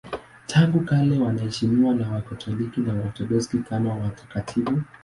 Tangu kale wanaheshimiwa na Wakatoliki na Waorthodoksi kama watakatifu.